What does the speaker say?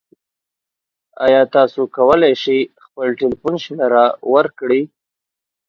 ایا تاسو کولی شئ خپل تلیفون شمیره ورکړئ؟